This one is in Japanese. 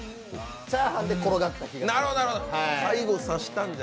チャーハンで転がったと思う。